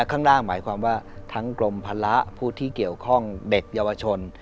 ข้างล่างหมายความว่าทั้งกรมภาระผู้ที่เกี่ยวข้องเด็กเยาวชน